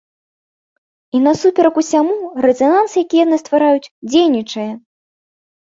І, насуперак усяму, рэзананс, які яны ствараюць, дзейнічае!